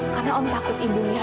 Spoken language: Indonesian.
karena om takut ibu nyalahkan